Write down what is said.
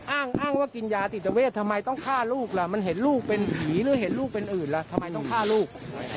อ้างว่ากินยาจิตเวททำไมต้องฆ่าลูกล่ะมันเห็นลูกเป็นผีหรือเห็นลูกเป็นอื่นล่ะทำไมต้องฆ่าลูก